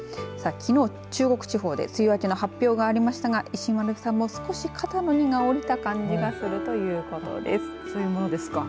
きのう中国地方で梅雨明けの発表がありましたが石丸さんも、少し肩の荷が降りた感じがするということです。